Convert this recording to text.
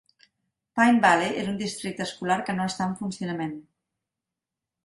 Pine Valley és un districte escolar que no està en funcionament.